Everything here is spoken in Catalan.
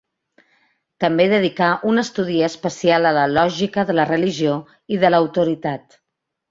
També dedicà un estudi especial a la lògica de la religió i de l'autoritat.